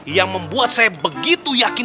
yang membuat saya begitu yakin